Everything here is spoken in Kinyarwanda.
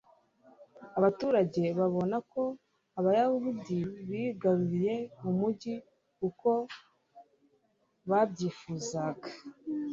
abaturage babona ko abayahudi bigaruriye umugi uko babyifuzaga